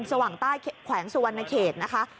สว่างใต้แขวงสุวรรณเขตนะคะ